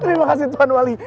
terima kasih tuan wali